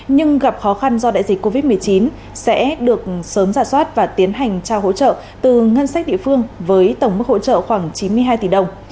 nhưng gặp khó khăn do đại dịch covid một mươi chín sẽ được sớm giả soát và tiến hành trao hỗ trợ từ ngân sách địa phương với tổng mức hỗ trợ khoảng chín mươi hai tỷ đồng